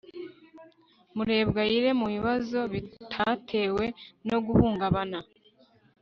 Murebwayire mubibazo bitatewe no guhungabana